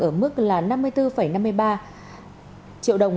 ở mức là năm mươi bốn năm mươi ba triệu đồng